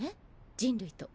人類と。